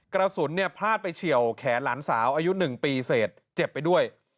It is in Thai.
กระสุนเนี่ยพลาดไปเฉียวแขนหลานสาวอายุ๑ปีเสร็จเจ็บไปด้วย